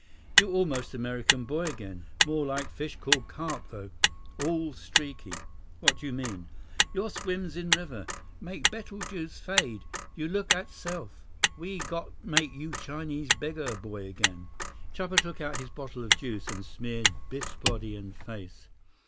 "You almost America boy again. More like fish called carp, though. All streaky." "What do you mean?" "Your swims in river. Make betel juice fade. You look at self. We got to make you Chinese beggar boy again." Chuba took out his bottle of juice, and smeared Biff's body and face.